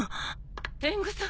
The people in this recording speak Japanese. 天狗さん。